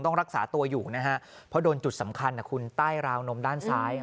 รักษาตัวอยู่นะฮะเพราะโดนจุดสำคัญนะคุณใต้ราวนมด้านซ้าย